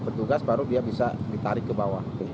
petugas baru dia bisa ditarik ke bawah